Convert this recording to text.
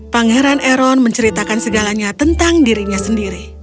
pangeran eron menceritakan segalanya tentang dirinya sendiri